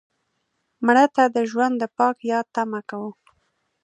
مړه ته د ژوند د پاک یاد تمه کوو